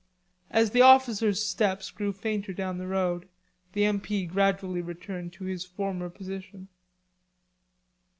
As the officer's steps grew fainter down the road, the M.P. gradually returned to his former position.